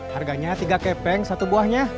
harganya tiga kepeng satu buahnya